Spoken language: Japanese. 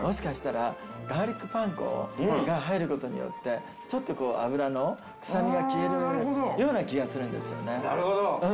ガーリックパン粉が入ることによって、ちょっと油の臭みが消えるような気がするんですよね。